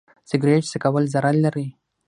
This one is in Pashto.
سګرټ څکول ضرر لري.